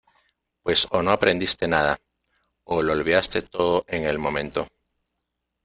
pues o no aprendiste nada, o lo olvidaste todo en el momento